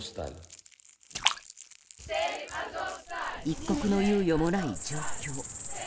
一刻の猶予もない状況。